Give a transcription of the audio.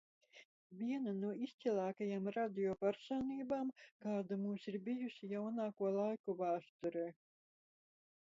Viena no izcilākajām radio personībām, kāda mums ir bijusi jaunāko laiku vēsturē.